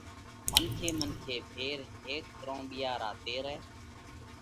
منکي منکي ڦيرهيڪ ترونٻِيا را تيرئہ،